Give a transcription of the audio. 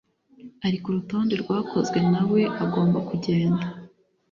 Ari ku rutonde rwakozwe nawe agomba kugenda